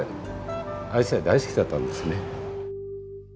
アジサイ大好きだったんですね。